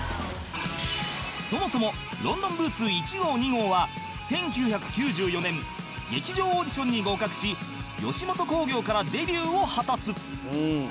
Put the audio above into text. そもそもロンドンブーツ１号２号は１９９４年劇場オーディションに合格し吉本興業からデビューを果たす